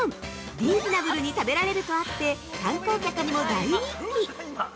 リーズナブルに食べられるとあって、観光客にも大人気！